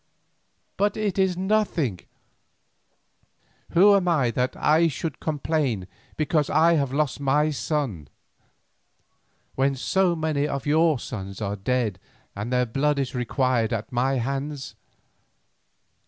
But it is nothing; who am I that I should complain because I have lost my son, when so many of your sons are dead and their blood is required at my hands?